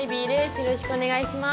よろしくお願いします。